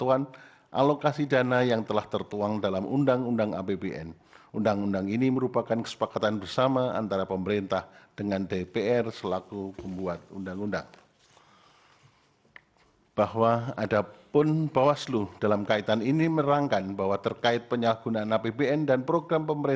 untuk tni asn dan polri